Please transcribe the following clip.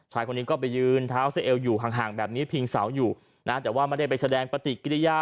ชายคนนี้ก็ไปยืนเท้าเซเอลอยู่ห่างแบบนี้พิงเสาอยู่นะแต่ว่าไม่ได้ไปแสดงปฏิกิริยา